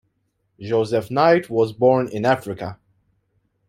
Joseph Knight was born in Africa.